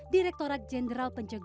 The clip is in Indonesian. direkturat jenderal pencegahan